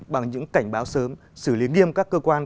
bằng những cảnh báo sớm xử lý nghiêm các cơ quan